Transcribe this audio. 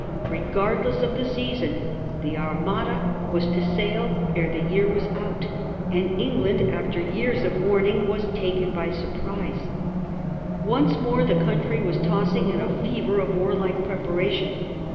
Regardless of the season the Armada was to sail ere the year was out, and England, after the years of warning, was taken by surprise. Once more the country was tossing in a fever of warlike preparation.